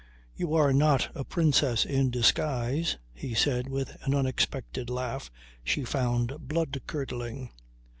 "You are not a princess in disguise," he said with an unexpected laugh she found blood curdling.